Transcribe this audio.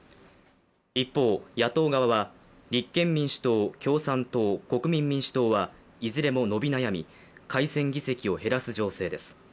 一方、野党側は立憲民主党共産党国民民主党はいずれも伸び悩み改選議席を減らす情勢です